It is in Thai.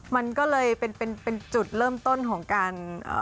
มันก็เลยเป็นเป็นจุดเริ่มต้นของการ